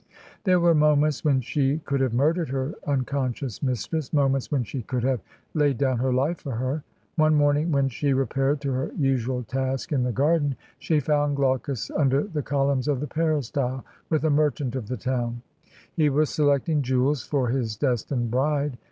There were moments when she could have murdered her unconscious mistress, moments when she could have laid down her life for her. ... One morning when she repaired to her usual task in the garden ... she found Glaucus under the columns of the peristyle, with a merchant of the town; he was selecting jewels for his destined bride.